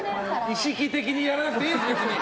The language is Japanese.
意識的にやらなくていいです！